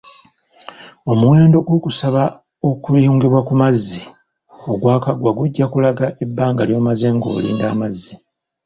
Omuwendo gw'okusaba okuyungibwa ku mazzi ogwakaggwa gujja kulaga ebbanga ly'omaze ng'olinda amazzi.